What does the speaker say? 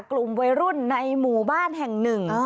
กลุ่มวัยรุ่นในหมู่บ้านแห่งหนึ่ง